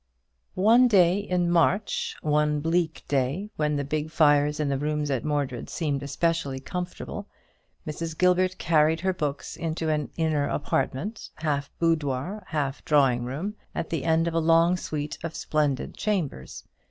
One day in March, one bleak day, when the big fires in the rooms at Mordred seemed especially comfortable, Mrs. Gilbert carried her books into an inner apartment, half boudoir, half drawing room, at the end of a long suite of splendid chambers.